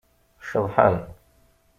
Ceḍḥen.